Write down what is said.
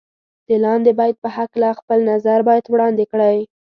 د لاندې بیت په هکله خپل نظر باید وړاندې کړئ.